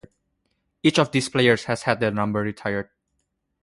Each of these players has had their number retired.